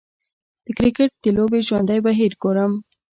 د کریکټ د لوبې ژوندی بهیر ګورم